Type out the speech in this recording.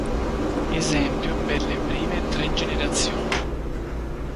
Esempio per le prime tre generazioni.